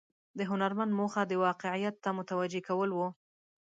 د هنرمند موخه د واقعیت ته متوجه کول و.